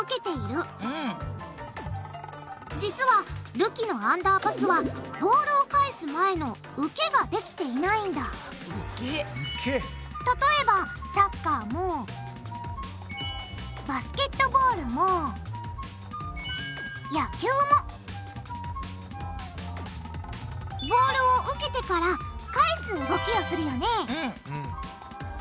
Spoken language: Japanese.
実はるきのアンダーパスはボールを返す前の例えばサッカーもバスケットボールも野球もボールを受けてから返す動きをするよね